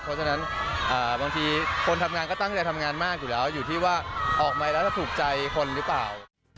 เพราะฉะนั้นบางทีคนทำงานก็ตั้งใจทำงานมากอยู่แล้วอยู่ที่ว่าออกมาแล้วจะถูกใจคนหรือเปล่า